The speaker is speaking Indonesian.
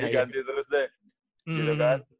ganti ganti terus deh gitu kan